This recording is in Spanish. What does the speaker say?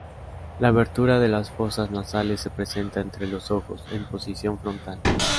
La abertura de las fosas nasales se presenta entre los ojos, en posición frontal.